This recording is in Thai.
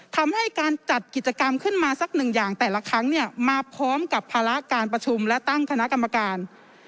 ทำให้การจัดกิจกรรมขึ้นมาสักหนึ่งอย่างแต่ละครั้งเนี่ยมาพร้อมกับภาระการประชุมและตั้งคณะกรรมการ